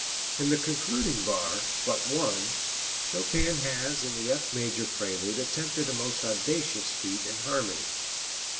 In the concluding bar, but one, Chopin has in the F major Prelude attempted a most audacious feat in harmony.